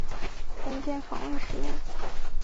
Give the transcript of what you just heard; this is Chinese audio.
文件访问使用。